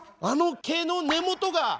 あの毛の根元が！